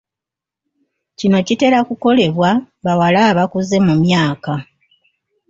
Kino kitera kukolebwa bawala abakuze mu myaka.